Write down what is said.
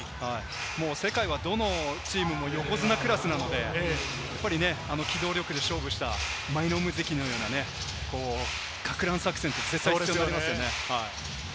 世界はどのチームも横綱クラスなので、機動力で勝負した舞の海関のような、かく乱作戦、絶対必要ですよね。